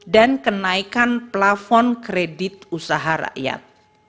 dan kenaikan plafon kredit usaha rakyat